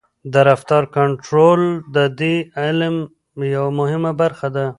د رفتار کنټرول د دې علم یوه مهمه برخه ده.